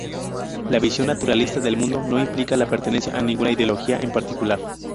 La visión naturalista del mundo no implica la pertenencia a ninguna ideología en particular.